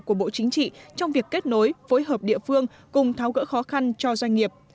của bộ chính trị trong việc kết nối phối hợp địa phương cùng tháo gỡ khó khăn cho doanh nghiệp